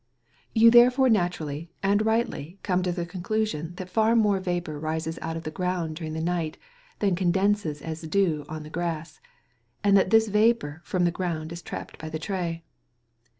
You therefore naturally and rightly come to the conclusion that far more vapour rises out of the ground during the night than condenses as dew on the grass, and that this vapour from the ground is trapped by the tray.